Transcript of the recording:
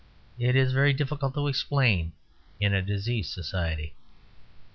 It is very difficult to explain in a diseased society.